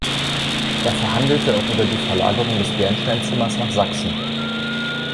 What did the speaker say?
Er verhandelte auch über die Verlagerung des Bernsteinzimmers nach Sachsen.